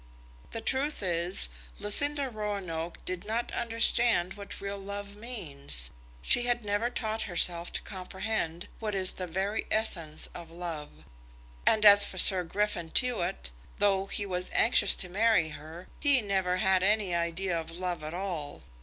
"The truth is, Lucinda Roanoke did not understand what real love means. She had never taught herself to comprehend what is the very essence of love; and as for Sir Griffin Tewett, though he was anxious to marry her, he never had any idea of love at all.